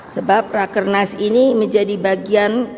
sebab rakernas ini menjadi bagian